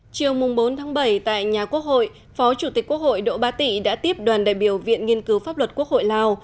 chiều bốn bảy tại nhà quốc hội phó chủ tịch quốc hội đỗ ba tị đã tiếp đoàn đại biểu viện nghiên cứu pháp luật quốc hội lào